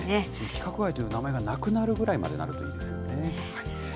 規格外という名前がなくなるぐらいまでになるといいですよね。